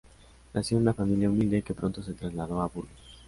Nació en una familia humilde que pronto se trasladó a Burgos.